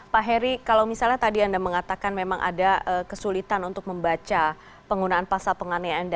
pak heri kalau misalnya tadi anda mengatakan memang ada kesulitan untuk membaca penggunaan pasal penganiayaan